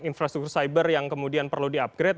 infrastruktur cyber yang kemudian perlu di upgrade